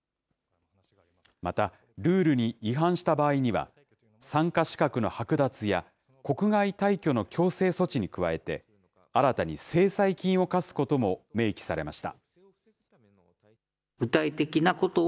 また、ルールに違反した場合には、参加資格の剥奪や、国外退去の強制措置に加えて、新たに制裁金を科すことも明記されました。